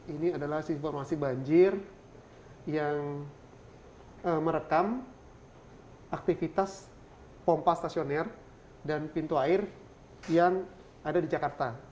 ini adalah informasi banjir yang merekam aktivitas pompa stasioner dan pintu air yang ada di jakarta